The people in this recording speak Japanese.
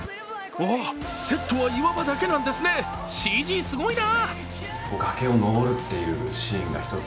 セットは岩場だけなんですね、ＣＧすごいな。